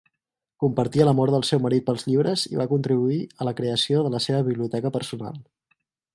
Compartia l'amor del seu marit pels llibres i va contribuir a la creació de la seva biblioteca personal.